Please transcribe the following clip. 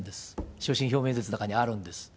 所信表明演説の中にあるんです。